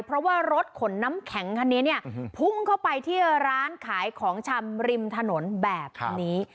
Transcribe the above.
เพราะว่ารถขนน้ำแข็งคันนี้เนี่ยพุ่งเข้าไปที่ร้านขายของชำริมถนนแบบนี้